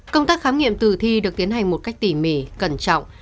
công tác khám nghiệm tử thi được tiến hành một cách tỉ mỉ cẩn trọng